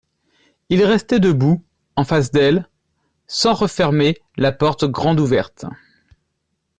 Il restait debout, en face d'elle, sans refermer la porte grande ouverte.